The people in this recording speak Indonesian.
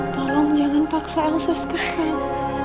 tolong jangan paksa angsa sekarang